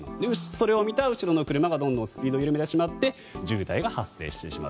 それを見た後ろの車がスピードを緩めて渋滞が発生してしまう。